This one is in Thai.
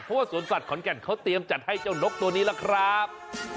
เพราะว่าสวนสัตว์ขอนแก่นเขาเตรียมจัดให้เจ้านกตัวนี้ล่ะครับ